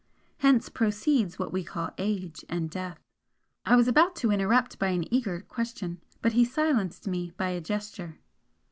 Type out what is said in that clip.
Hence proceeds what we call age and death." I was about to interrupt by an eager question but he silenced me by a gesture.